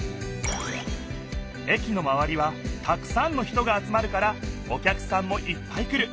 駅のまわりはたくさんの人が集まるからお客さんもいっぱい来る。